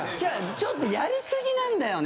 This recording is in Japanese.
ちょっと、やりすぎなんだよね。